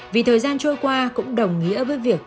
vì thời gian trôi qua cũng đồng nghĩa với việc